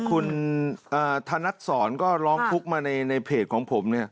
คุณธนัทศรก็ลองพุกมาในเพจของผม